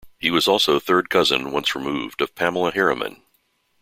He was also third cousin, once removed of Pamela Harriman.